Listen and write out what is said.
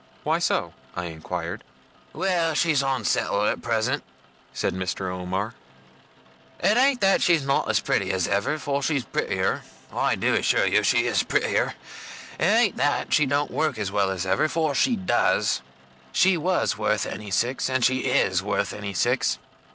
'Why so?' I inquired. 'Well, she's unsettled at present,' said Mr. Omer. 'It ain't that she's not as pretty as ever, for she's prettier I do assure you, she is prettier. It ain't that she don't work as well as ever, for she does. She WAS worth any six, and she IS worth any six.